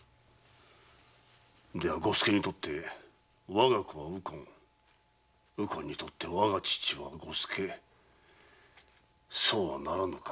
では伍助にとって我が子は右近右近にとって我が父は伍助そうはならぬか。